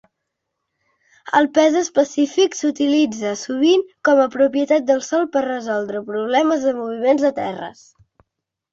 El pes específic s'utilitza sovint com a propietat del sòl per resoldre problemes de moviments de terres.